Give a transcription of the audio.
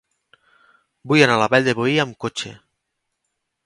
Vull anar a la Vall de Boí amb cotxe.